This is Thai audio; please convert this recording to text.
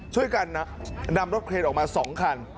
ช่วยกันนำรถเครนออกมา๒คัน